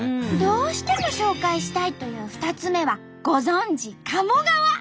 どうしても紹介したいという２つ目はご存じ鴨川！